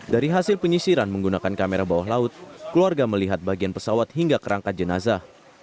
dari hasil penyisiran menggunakan kamera bawah laut keluarga melihat bagian pesawat hingga kerangka jenazah